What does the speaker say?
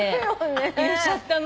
入れちゃったの？